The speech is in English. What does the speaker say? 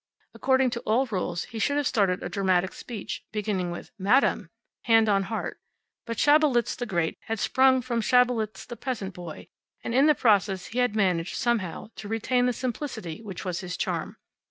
According to all rules he should have started a dramatic speech, beginning with "Madame!" hand on heart. But Schabelitz the great had sprung from Schabelitz the peasant boy, and in the process he had managed, somehow, to retain the simplicity which was his charm.